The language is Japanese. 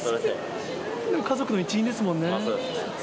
家族の一員ですもんね。